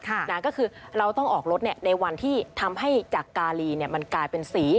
ก็คือเราต้องออกรถเนี่ยในวันที่ทำให้จากการีเนี่ยมันกลายเป็นสี